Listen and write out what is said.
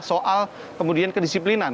soal kemudian kedisiplinan